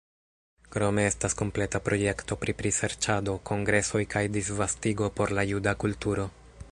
Krome estas kompleta projekto pri priserĉado, kongresoj kaj disvastigo por la juda kulturo.